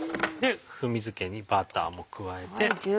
風味づけにバターも加えて。